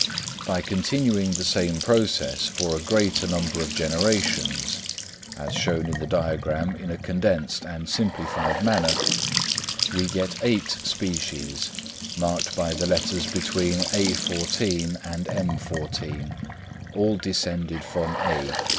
By continuing the same process for a greater number of generations (as shown in the diagram in a condensed and simplified manner), we get eight species, marked by the letters between _a_14 and _m_14, all descended from (A).